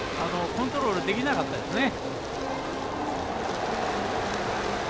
コントロールできなかったですね。